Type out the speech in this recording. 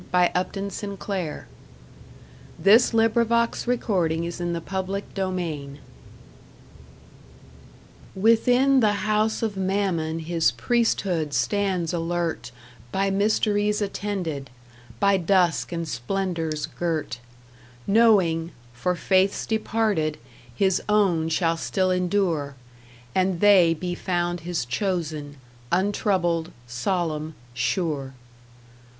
#BOOK TWO# #The Church of Good Society# Within the House of Mammon his priesthood stands alert By mysteries attended, by dusk and splendors girt, Knowing, for faiths departed, his own shall still endure, And they be found his chosen, untroubled, solemn, sure.